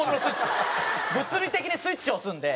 物理的にスイッチを押すんで。